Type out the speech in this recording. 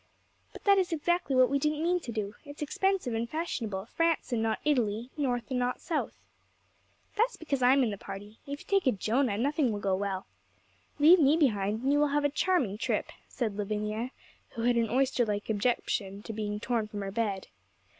'But that is exactly what we didn't mean to do. It's expensive and fashionable; France and not Italy, north and not south.' 'That's because I'm in the party. If you take a Jonah nothing will go well. Leave me behind, and you will have a charming trip,' said Lavinia, who had an oyster like objection to being torn from her bed.